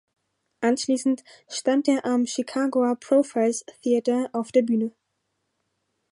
Anschließend stand er am Chicagoer Profiles Theatre auf der Bühne.